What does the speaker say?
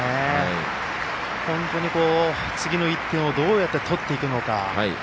本当に、次の１点をどうやって取っていくのか。